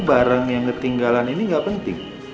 barang yang ketinggalan ini gak penting